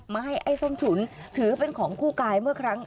มาให้ไอ้ส้มฉุนถือเป็นของคู่กายเมื่อครั้ง